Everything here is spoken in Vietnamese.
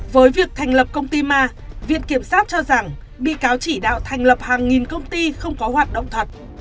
với việc thành lập công ty ma viện kiểm sát cho rằng bị cáo chỉ đạo thành lập hàng nghìn công ty không có hoạt động thật